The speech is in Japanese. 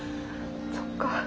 そっか。